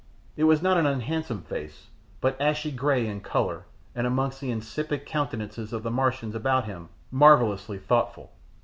It was not an unhandsome face, but ashy grey in colour and amongst the insipid countenances of the Martians about him marvellously thoughtful.